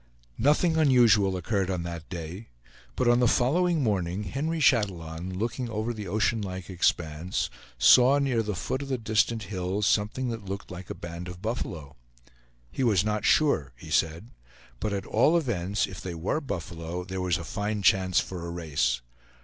Nothing unusual occurred on that day; but on the following morning Henry Chatillon, looking over the oceanlike expanse, saw near the foot of the distant hills something that looked like a band of buffalo. He was not sure, he said, but at all events, if they were buffalo, there was a fine chance for a race.